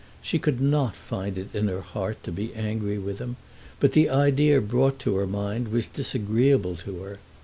She could not find it in her heart to be angry with him, but the idea brought to her mind was disagreeable to her.